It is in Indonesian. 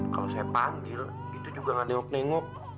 kalau saya panggil itu juga gak nengok nengok